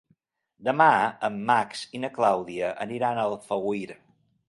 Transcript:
Demà en Max i na Clàudia aniran a Alfauir.